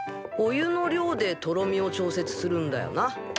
お湯の量でとろみを調節するんだよな。